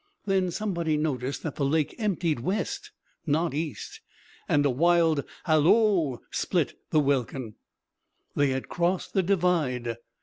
Then somebody noticed that the lake emptied west, not east; and a wild halloo split the welkin. They had crossed the Divide.